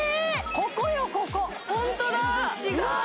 ここよここホントだ違う！